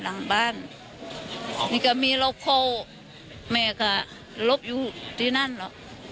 หลังบ้านนี่ก็มีรอบโคลน์อเมริการบอยู่ที่นั่นหรอก